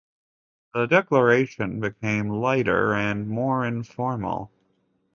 The decoration became lighter and more informal.